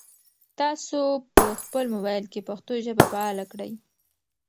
تاسو په خپل موبایل کې پښتو ژبه فعاله کړئ.